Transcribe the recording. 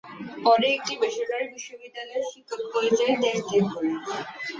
পরে একটি বেসরকারি বিশ্ববিদ্যালয়ের শিক্ষক পরিচয়ে দেশত্যাগ করেন।